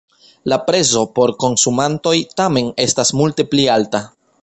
La prezo por konsumantoj tamen estas multe pli alta.